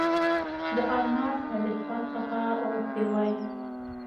د الماس علي خان څخه غوښتي وای.